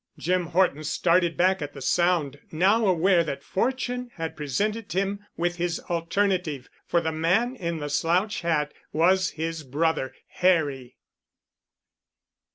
Jim Horton started back at the sound, now aware that Fortune had presented him with his alternative. For the man in the slouch hat was his brother, Harry!